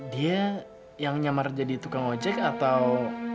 dia yang nyamar jadi tukang ojek atau